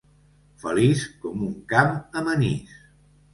Feliç com un camp amb anís.